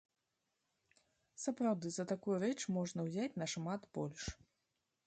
Сапраўды, за такую рэч можна ўзяць нашмат больш.